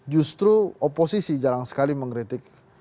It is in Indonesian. justru oposisi jarang sekali mengkritik